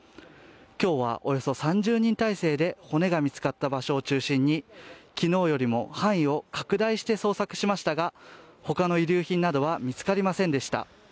今日はおよそ３０人態勢で骨が見つかった場所を中心に昨日よりも範囲を拡大して捜索しましたが他の遺留品などは見つかりませんでした。